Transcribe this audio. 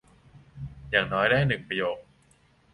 อย่างน้อยได้หนึ่งประโยค